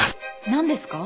何ですか？